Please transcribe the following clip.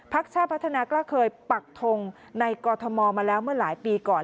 ชาติพัฒนากล้าเคยปักทงในกรทมมาแล้วเมื่อหลายปีก่อน